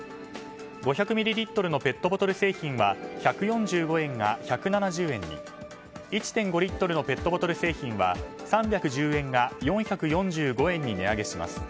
５００ミリリットルのペットボトル製品は１４５円が１７０円に１．５リットルのペットボトル製品は３１０円が４４５円に値上げします。